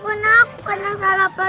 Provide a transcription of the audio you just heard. kalau kamu mau versi lain